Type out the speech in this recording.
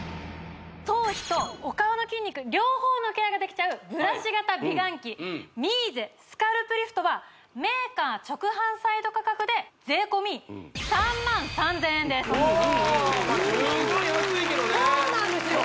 頭皮とお顔の筋肉両方のケアができちゃうブラシ型美顔器ミーゼスカルプリフトはメーカー直販サイト価格で税込３３０００円ですうおまあ十分安いけどねそうなんですよ